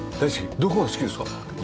どこが好きですか？